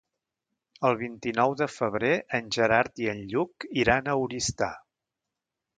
El vint-i-nou de febrer en Gerard i en Lluc iran a Oristà.